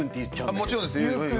もちろんです。